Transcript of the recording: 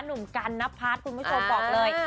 หนุ่มกันนพัฒน์คุณผู้ชมบอกเลย